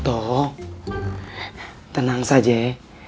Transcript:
oh tenang saja ya